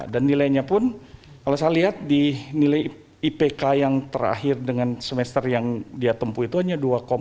dan nilainya pun kalau saya lihat di nilai ipk yang terakhir dengan semester yang dia tempuh itu hanya dua empat